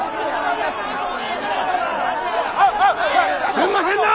すんませんな！